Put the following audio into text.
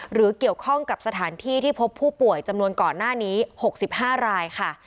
หรือเกี่ยวข้องกับสถานที่ที่พบผู้ป่วยจำนวนก่อนหน้านี้๖๕รายค่ะ